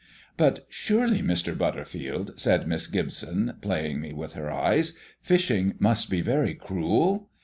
"But surely, Mr. Butterfield," said Miss Gibson, playing me with her eyes, "fishing must be very cruel?